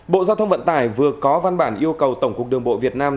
bộ giao thông vận tải vừa có văn bản yêu cầu tổng cục đường bộ việt nam